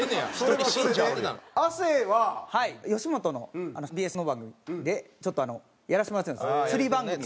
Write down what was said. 吉本のＢＳの番組でちょっとあのやらせてもらってるんですよ釣り番組を。